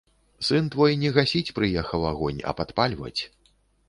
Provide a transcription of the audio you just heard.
Сын твой не гасіць прыехаў агонь, а падпальваць.